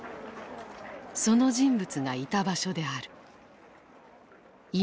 その人物がいた場所である。